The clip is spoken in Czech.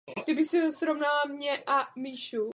Po rozchodu s manželem se vrátila zpět do Česka.